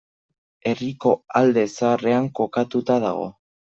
Herriko Alde Zaharrean kokatuta dago.